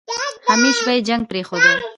همېش به يې جنګ پرېښوده.